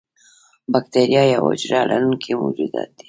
بکتیریا یوه حجره لرونکي موجودات دي.